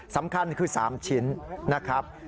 สำคัญคือ๓ชิ้นนะครับ